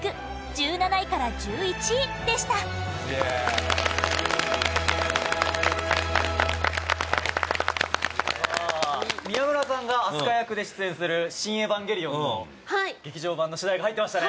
１７位から１１位でした宮村さんがアスカ役で出演する『シン・エヴァンゲリオン』の劇場版の主題歌入ってましたね。